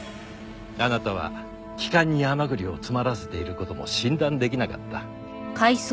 あなたは気管に甘栗を詰まらせている事も診断できなかった。